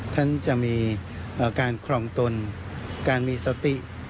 ท่านจะมีการครองตนการมีสติ